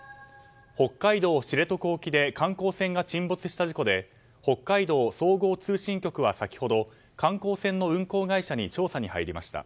北海道知床沖で観光船が沈没した事故で北海道総合通信局は先ほど、観光船の運航会社に調査に入りました。